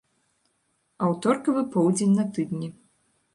Аўторкавы поўдзень на тыдні.